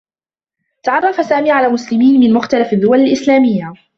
تعرّف سامي على مسلمين من مختلف الدّول الإسلاميّة.